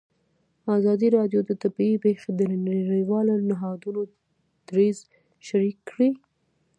ازادي راډیو د طبیعي پېښې د نړیوالو نهادونو دریځ شریک کړی.